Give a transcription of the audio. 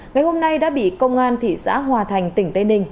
ngày hôm nay đã bị công an thị xã hòa thành tỉnh tây ninh